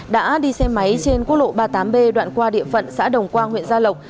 đã đi xe máy trên quốc lộ ba mươi tám b đoạn qua địa phận xã đồng quang huyện gia lộc